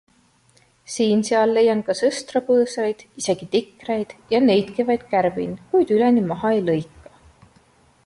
Siin-seal leian ka sõstrapõõsaid, isegi tikreid ja neidki vaid kärbin, kuid üleni maha ei lõika.